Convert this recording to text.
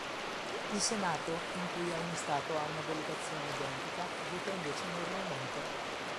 Il Senato, in cui ogni stato ha una delegazione identica, vota invece normalmente.